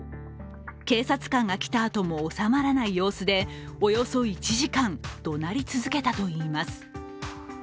警察官が来たあとも収まらない様子でおよそ１時間どなり続けたといいます。